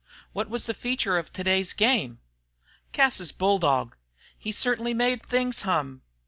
"What was the feature of today's game?" "Cas's bulldog. He certainly made things hum.